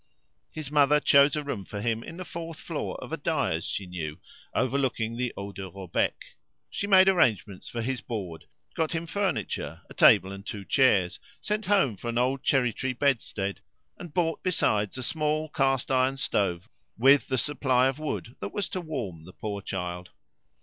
His mother chose a room for him on the fourth floor of a dyer's she knew, overlooking the Eau de Robec. She made arrangements for his board, got him furniture, table and two chairs, sent home for an old cherry tree bedstead, and bought besides a small cast iron stove with the supply of wood that was to warm the poor child.